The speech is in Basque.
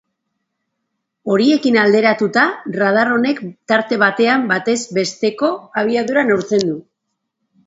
Horiekin alderatuta, radar honek tarte batean batez besteko abiadura neurtzen du.